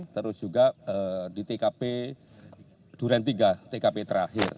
terus juga di tkp ii tkp iii tkp terakhir